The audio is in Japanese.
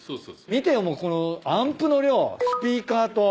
見てよもうこのアンプの量スピーカーと。